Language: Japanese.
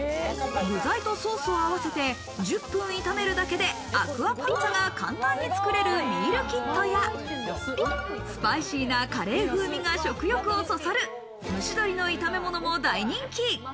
具材とソースを合わせて１０分炒めるだけで、アクアパッツァが簡単につくれるミールキットやスパイシーなカレー風味が食欲をそそる、蒸し鶏の炒め物も大人気。